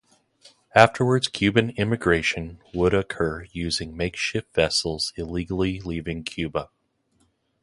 Afterwards Cuban emigration would occur using makeshift vessels illegally leaving Cuba.